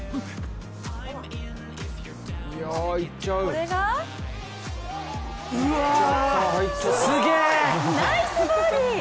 これがナイスバーディー！